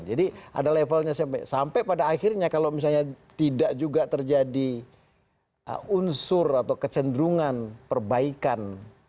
jadi ada levelnya sampai pada akhirnya kalau misalnya tidak juga terjadi unsur atau kecenderungan perbaikan